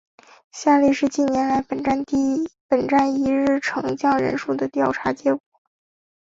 下表是近年来本站一日乘降人数的调查结果。